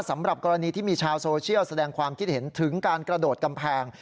สำหรับกรณีที่มีชาวโซเชียลแสดงความคิดเห็นถึงการกระโดดกำแพง